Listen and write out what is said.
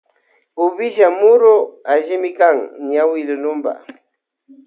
Uvilla muru allimikan ñawi luna.